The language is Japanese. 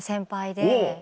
で